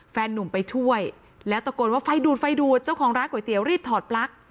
แฟนนุ่มไปช่วยแล้วตะโกนว่าไฟดูดไฟดูดเจ้าของร้านก๋วยเตี๋ยวรีบถอดปลั๊ก